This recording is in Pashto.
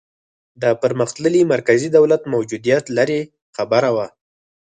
د پرمختللي مرکزي دولت موجودیت لرې خبره وه.